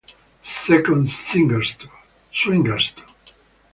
The second, Swingers Too!